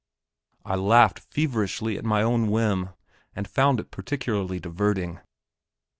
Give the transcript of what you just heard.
I laughed feverishly at my own whim, and found it peculiarly diverting.